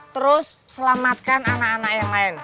terus selamatkan anak anak yang lain